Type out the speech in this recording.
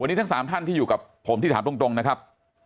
วันนี้ทั้ง๓ท่านที่อยู่กับผมที่ถามตรงนะครับ